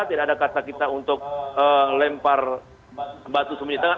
tidak ada kata kita untuk lempar batu sumber di tengah